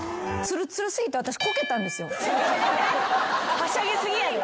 はしゃぎ過ぎやで。